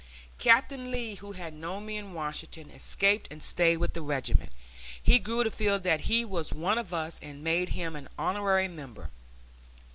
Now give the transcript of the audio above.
Captain Lee, who had known me in Washington, escaped and stayed with the regiment. We grew to feel that he was one of us, and made him an honorary member.